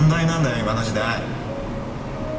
今の時代！